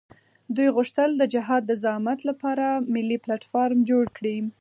دوی غوښتل د جهاد د زعامت لپاره ملي پلټفارم جوړ کړي.